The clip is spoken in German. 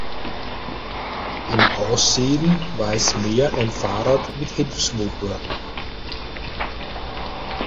Im Aussehen war es mehr ein Fahrrad mit Hilfsmotor.